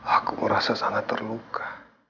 aku merasa sangat terluka